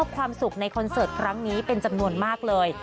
ความสุขในคอนเสิร์ตครั้งนี้เป็นจำนวนมากเลย